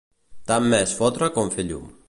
Tant m'és fotre com fer llum.